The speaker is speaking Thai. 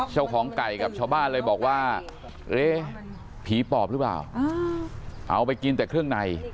เจ้าของไก่กับชาวบ้านเลยบอกว่าเอ๊ะผีปอบหรือเปล่าเอาไปกินแต่เครื่องใน